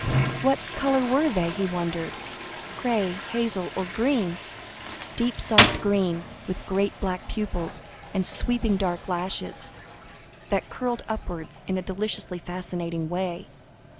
What colour were they? he wondered grey, hazel, or green deep soft green with great black pupils, and sweeping dark lashes, that curled upwards in a deliciously fascinating way.